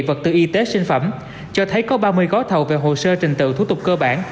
vật tư y tế sinh phẩm cho thấy có ba mươi gói thầu về hồ sơ trình tự thủ tục cơ bản